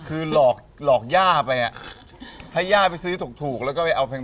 คือหลอกหลอกย่าไปอ่ะให้ย่าไปซื้อถูกถูกแล้วก็ไปเอาแพง